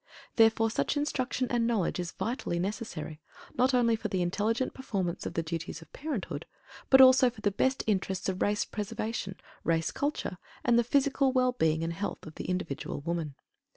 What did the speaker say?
Therefore, such instruction and knowledge is vitally necessary, not only for the intelligent performance of the duties of parenthood, but also for the best interests of race preservation, race culture, and the physical well being and health of the individual woman.